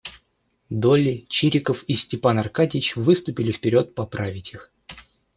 Долли, Чириков и Степан Аркадьич выступили вперед поправить их.